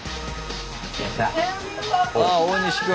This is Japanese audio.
ああ大西君。